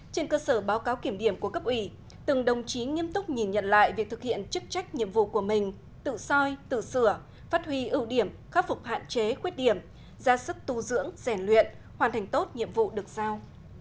trên cơ sở báo cáo kiểm điểm của cấp ủy từng đồng chí nghiêm túc nhìn nhận lại việc thực hiện chức trách nhiệm vụ của mình tự soi tự sửa phát huy ưu điểm khắc phục hạn chế khuyết điểm ra sức tu dưỡng rèn luyện hoàn thành tốt nhiệm vụ được giao